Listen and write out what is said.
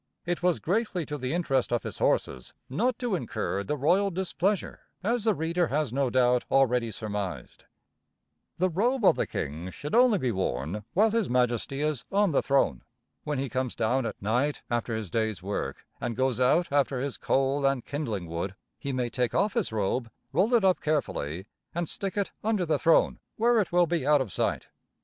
It was greatly to the interest of his horses not to incur the royal displeasure, as the reader has no doubt already surmised. The robe of the king should only be worn while his majesty is on the throne. When he comes down at night, after his day's work, and goes out after his coal and kindling wood, he may take off his robe, roll it up carefully, and stick it under the throne, where it will be out of sight.